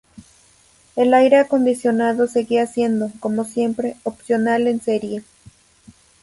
El aire acondicionado seguía siendo, como siempre, opcional en serie.